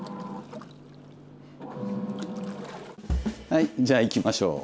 はいじゃあいきましょう。